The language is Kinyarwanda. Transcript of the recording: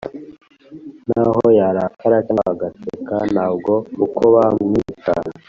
naho yarakara cyangwa agaseka ntabwo uko bamwica